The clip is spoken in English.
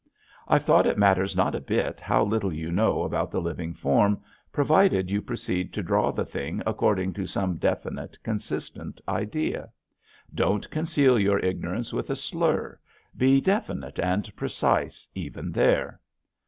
I've thought it matters not a bit how little you know about the living form provided you proceed to draw the thing according to some definite, consistent idea. Don't conceal your ignorance with a slur, be definite and precise even there.